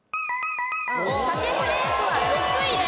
鮭フレークは６位です。